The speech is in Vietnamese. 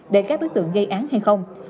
để các đối tượng gây án hay không